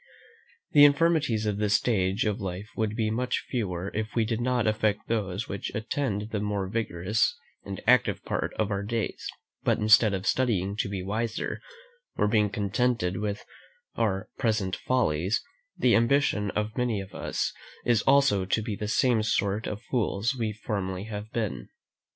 The infirmities of this stage of life would be much fewer if we did not affect those which attend the more vigorous and active part of our days; but instead of studying to be wiser, or being contented with our present follies, the ambition of many of us is also to be the same sort of fools we formerly have been.